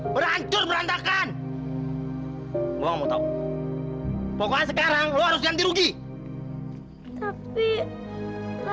peranan gua berancur berantakan bohong pokoknya sekarang lu harus ganti rugi tapi para nggak bisa